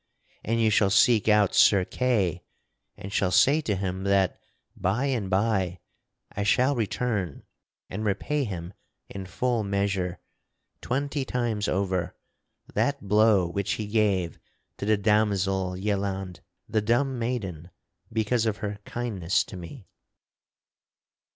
And you shall seek out Sir Kay and shall say to him that, by and by, I shall return and repay him in full measure, twenty times over, that blow which he gave to the damosel Yelande, the Dumb Maiden because of her kindness to me."